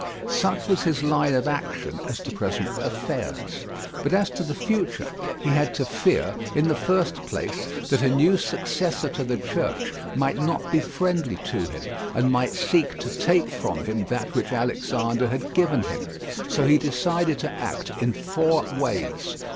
Such was his line of action as to present affairs. But as to the future he had to fear, in the first place, that a new successor to the Church might not be friendly to him and might seek to take from him that which Alexander had given him, so he decided to act in four ways.